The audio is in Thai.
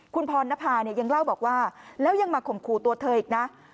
คุณพรณภาเนี่ยยังเล่าบอกว่าแล้วยังมาข่มขู่ตัวเธออีกนะ